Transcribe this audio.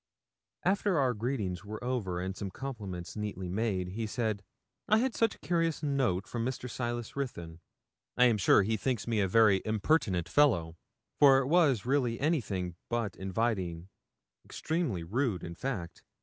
After our greetings were over, and some compliments neatly made, he said 'I had such a curious note from Mr. Silas Ruthyn. I am sure he thinks me a very impertinent fellow, for it was really anything but inviting extremely rude, in fact.